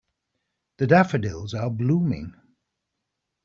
The daffodils are blooming.